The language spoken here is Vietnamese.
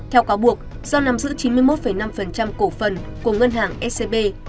theo cáo buộc do nắm giữ chín mươi một năm cổ phần của ngân hàng scb